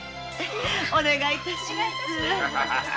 お願いいたします。